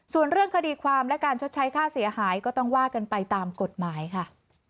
ส่วนเรื่องคดีความและการชดใช้ค่าเสียหายก็ต้องว่ากันไปตามกฎหมายค่ะ